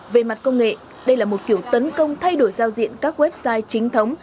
về mặt công nghệ đây là một kiểu tấn công thay đổi giao diện các website chính thống